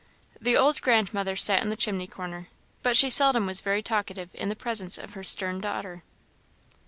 The old grandmother sat in the chimney corner, but she seldom was very talkative in the presence of her stern daughter.